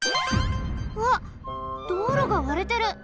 うわっ道路がわれてる！